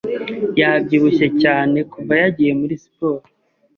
Yabyibushye cyane kuva yagiye muri siporo.